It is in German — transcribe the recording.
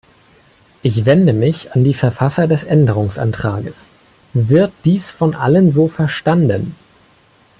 Ich wende mich an die Verfasser des Änderungsantrages: Wird dies von allen so verstanden?